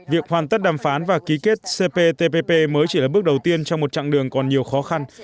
việc hoàn tất đàm phán và ký kết cptpp mới chỉ là bước đầu tiên trong một chặng đường còn nhiều khó khăn